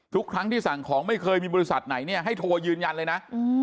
ทุกครั้งที่สั่งของไม่เคยมีบริษัทไหนเนี่ยให้โทรยืนยันเลยนะ